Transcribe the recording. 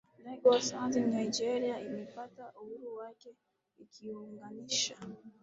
Lagos hadi Nigeria imepata uhuru wake ikiunganisha